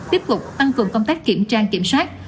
tiếp tục tăng cường công tác kiểm tra kiểm soát